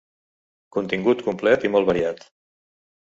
Contingut complet i molt variat.